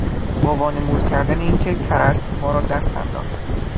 با وانمودن کردن اینکه کر است ما را دست انداخت.